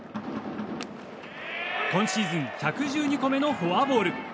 今シーズン１１２個目のフォアボール。